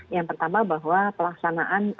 yang pertama bahwa pelaksanaan